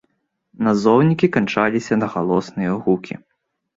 Назоўнікі канчаліся на галосныя гукі.